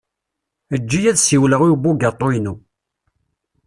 Eǧǧ-iyi ad ssiwleɣ i ubugaṭu-inu.